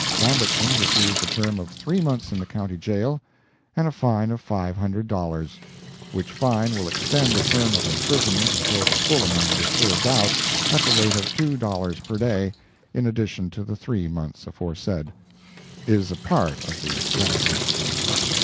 Lambertson receives a term of three months in the County Jail, and a fine of five hundred dollars, (which fine will extend the term of imprisonment until the full amount is served out, at the rate of two dollars per day, in addition to the three months aforesaid,) is a part of the penalty.